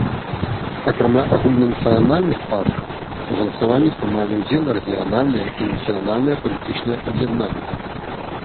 Акрамя агульнанацыянальных партый, у галасаванні прымалі ўдзел рэгіянальныя і нацыянальныя палітычныя аб'яднанні.